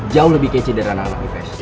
jauh lebih kece dari anak anak ips